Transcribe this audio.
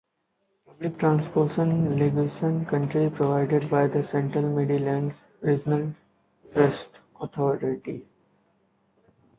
Public transportation in Lexington County is provided by the Central Midlands Regional Transit Authority.